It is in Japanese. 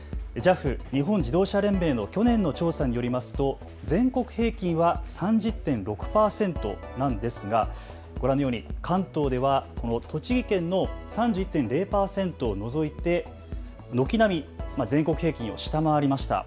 ＪＡＦ・日本自動車連盟の去年の調査によりますと全国平均は３０．６％なんですがご覧のように関東では栃木県の３１．０％を除いて軒並み全国平均を下回りました。